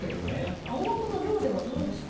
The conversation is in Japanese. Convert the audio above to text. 青学の寮ではどうですか？